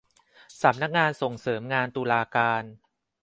สำนักงานส่งเสริมงานตุลาการ